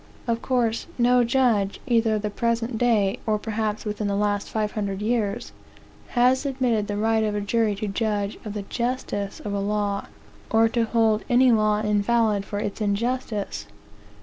Of course, no judge, either of the present day, or perhaps within the last five hundred years, has admitted the right of a jury to judge of the justice of a law, or to hold any law invalid for its injustice.